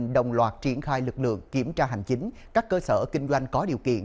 đồng loạt triển khai lực lượng kiểm tra hành chính các cơ sở kinh doanh có điều kiện